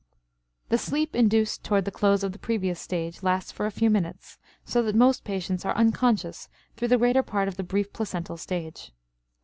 The sleep induced toward the close of the previous stage lasts for a few minutes, so that most patients are unconscious through the greater part of the brief placental stage.